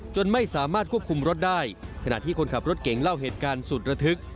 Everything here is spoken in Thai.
จนไม่สามารถควบคุมรถได้ขณะที่คนขับรถเก่งเล่าเหตุการณ์สุดระทึก